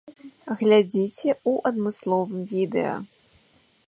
Глядзіце ў адмысловым відэа.